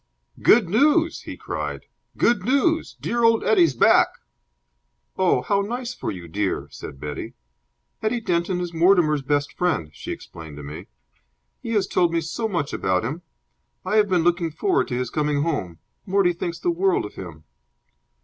"Good news!" he cried. "Good news! Dear old Eddie's back!" "Oh, how nice for you, dear!" said Betty. "Eddie Denton is Mortimer's best friend," she explained to me. "He has told me so much about him. I have been looking forward to his coming home. Mortie thinks the world of him."